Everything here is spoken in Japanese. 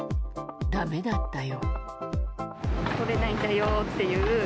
だめだったよ。